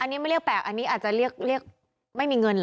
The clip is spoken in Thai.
อันนี้ไม่เรียกแปลกอันนี้อาจจะเรียกไม่มีเงินเหรอ